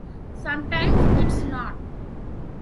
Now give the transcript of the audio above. Sometimes it's not.